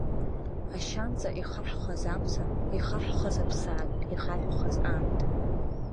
Ашьанҵа ихаҳәхаз амца, ихаҳәхаз аԥсаатә, ихаҳәхаз аамҭа.